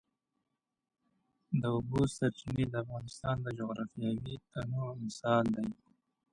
د اوبو سرچینې د افغانستان د جغرافیوي تنوع مثال دی.